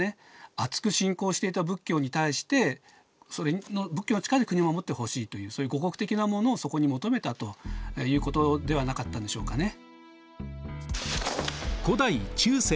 あつく信仰していた仏教に対して仏教の力で国を護ってほしいというそういう護国的なものをそこに求めたということではなかったんでしょうかね。